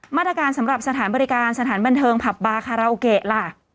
มาตรการสำหรับสถานบริการสถานบันเทิงผับบาคาราโอเกะล่ะ